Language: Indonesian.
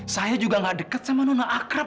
saya juga nggak deket sama nona akrab